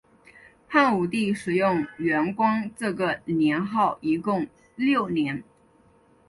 汉武帝使用元光这个年号一共六年。